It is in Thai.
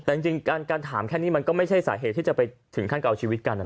แต่จริงการถามแค่นี้มันก็ไม่ใช่สาเหตุที่จะไปถึงขั้นกับเอาชีวิตกัน